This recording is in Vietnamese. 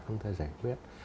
chúng ta giải quyết